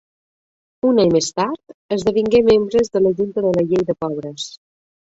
Un any més tard, esdevingué membre de la Junta de la Llei de Pobres.